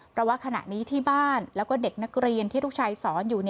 เพราะว่าขณะนี้ที่บ้านแล้วก็เด็กนักเรียนที่ลูกชายสอนอยู่